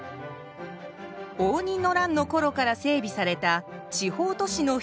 応仁の乱のころから整備された地方都市の一つです。